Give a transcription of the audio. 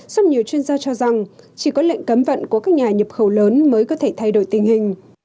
song nhiều chuyên gia cho rằng chỉ có lệnh cấm vận của các nhà nhập khẩu lớn mới có thể thay đổi tình hình